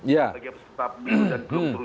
bagi peserta pemilu dan belum